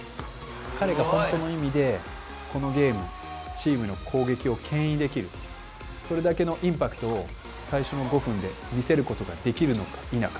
彼が本当の意味で、このゲームチームの攻撃をけん引できるそれだけのインパクトを最初の５分で見せることができるのか否か。